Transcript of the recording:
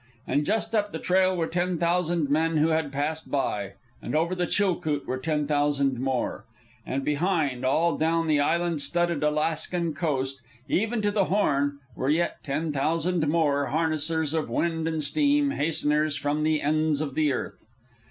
And just up the trail were ten thousand men who had passed by, and over the Chilcoot were ten thousand more. And behind, all down the island studded Alaskan coast, even to the Horn, were yet ten thousand more, harnessers of wind and steam, hasteners from the ends of the earth.